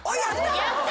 やった！